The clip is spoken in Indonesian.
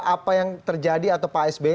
apa yang terjadi atau pak sby